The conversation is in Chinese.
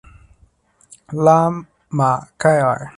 拉马盖尔。